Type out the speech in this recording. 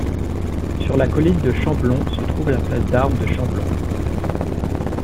Sur la colline de Chamblon se trouve la place d'arme de Chamblon.